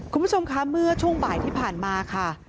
คุณผู้ชมคะเมื่อช่วงบ่ายที่ผ่านมาค่ะ